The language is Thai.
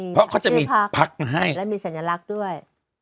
เพราะเขาจะมีพักให้และมีสัญลักษณ์ด้วย